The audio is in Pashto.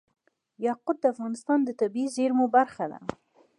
یاقوت د افغانستان د طبیعي زیرمو برخه ده.